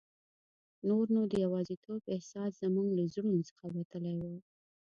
نور نو د یوازیتوب احساس زموږ له زړونو څخه وتلی وو.